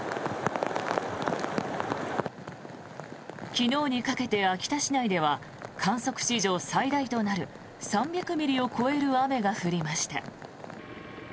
昨日にかけて秋田市内では観測史上最大となる３００ミリを超える雨が降りました。